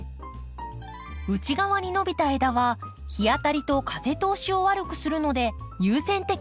内側に伸びた枝は日当たりと風通しを悪くするので優先的に切りましょう。